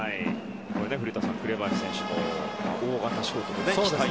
古田さん、紅林選手と同じショートで。